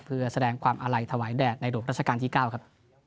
เพื่อแสดงความอาลัยถวายแด่ในหลวงราชการที่๙ครับ